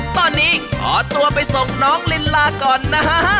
ตอนนี้ขอตัวไปส่งน้องลินลาก่อนนะฮะ